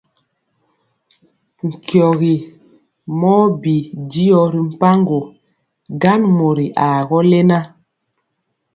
Nkyɔgi mɔ bi dyɔ ri mpaŋgo, gan mori aa gɔ lena.